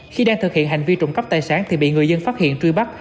khi đang thực hiện hành vi trộm cắp tài sản thì bị người dân phát hiện truy bắt